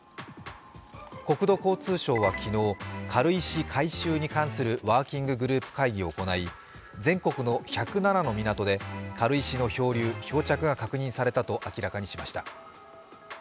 国土交通省は昨日軽石回収に関するワーキンググループを行い全国の１０７の港で軽石の漂流・漂着が確認されたと明らかにしました。